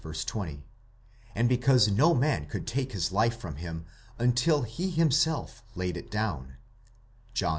20), and because no man could take his life from him until he himself laid it down (John x.